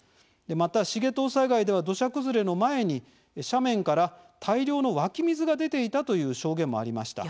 また繁藤災害では土砂崩れの前に斜面から大量の湧き水が出ていたという証言もありました。